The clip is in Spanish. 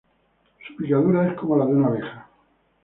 Su picadura es como la de una abeja.